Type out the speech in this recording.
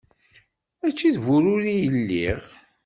Mačči d bururu i lliɣ.